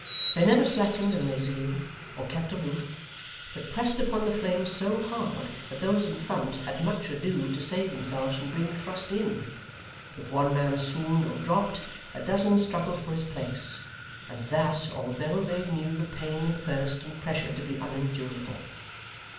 They never slackened in their zeal, or kept aloof, but pressed upon the flames so hard, that those in front had much ado to save themselves from being thrust in; if one man swooned or dropped, a dozen struggled for his place, and that although they knew the pain, and thirst, and pressure to be unendurable.